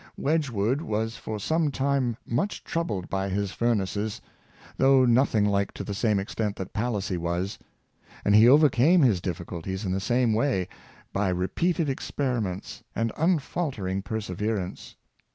Wedgwood was for some time much troubled by his 206 Josiali Wedgwood . furnaces, though nothing Hke to the same extent that PaHssy was; and he overcame his difficulties in the same way — by repeated experiments and unfaltering perseverance.